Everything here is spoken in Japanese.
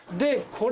これ。